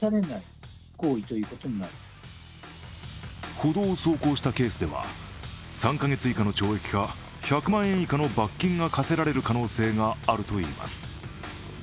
歩道を走行したケースでは３か月以下の懲役か１００万円以下の罰金が科せられる可能性があるといいます。